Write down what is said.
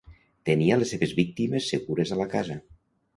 Tenia les seves víctimes segures a la casa.